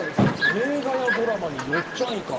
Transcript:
映画やドラマによっちゃんイカ。